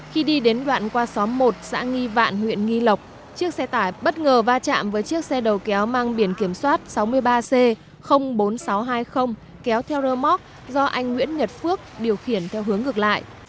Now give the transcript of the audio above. khi đi đến đoạn qua xóm một xã nghi vạn huyện nghi lộc chiếc xe tải bất ngờ va chạm với chiếc xe đầu kéo mang biển kiểm soát sáu mươi ba c bốn nghìn sáu trăm hai mươi kéo theo rơ móc do anh nguyễn nhật phước điều khiển theo hướng ngược lại